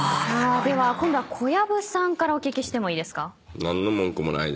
今度は小籔さんからお聞きしてもいいですか。